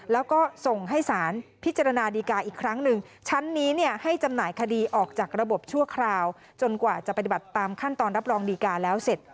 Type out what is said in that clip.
แล้วก็ส่งให้สารพิจารณาดีกาอีกครั้งหนึ่งชั้นนี้ให้จำหน่ายคดีออกจากระบบชั่วคราวจนกว่าจะปฏิบัติตามขั้นตอนรับรองดีกาแล้วเสร็จ